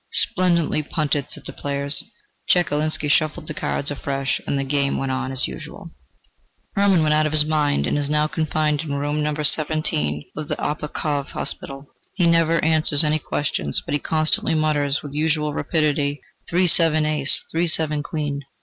"Splendidly punted!" said the players. Chekalinsky shuffled the cards afresh, and the game went on as usual. Hermann went out of his mind, and is now confined in room Number 17 of the Obukhov Hospital. He never answers any questions, but he constantly mutters with unusual rapidity: "Three, seven, ace!" "Three, seven, queen!"